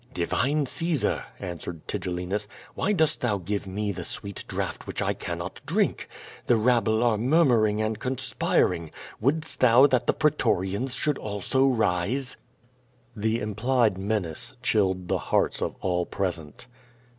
"Divine Caesar," answered Tigellinus. "Wliy dost thou give me the sweet draught which I cannot drink?" The rab ble are murmuring and conspiring. Wouldst thou that the pretorians should also rise?" The implied menace chilled the hearts of all present.